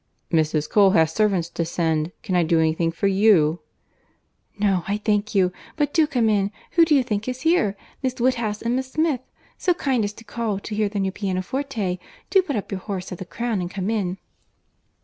"Mrs. Cole has servants to send. Can I do any thing for you?" "No, I thank you. But do come in. Who do you think is here?—Miss Woodhouse and Miss Smith; so kind as to call to hear the new pianoforte. Do put up your horse at the Crown, and come in."